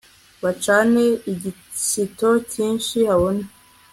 bacane igishyito cyinshi habone